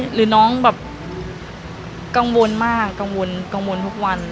หรือน้องแบบกังวลมากกังวลกังวลทุกวัน